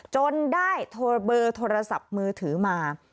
จนได้โทรเบอร์โทรศัพท์มือถือมา